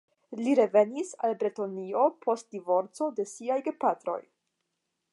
Li revenis al Bretonio post divorco de siaj gepatroj.